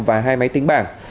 và hai máy tính bảng